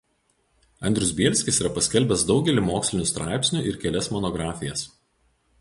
Andrius Bielskis yra paskelbęs daugelį mokslinių straipsnių ir kelias monografijas.